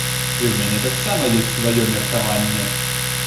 І ў мяне таксама ёсць сваё меркаванне.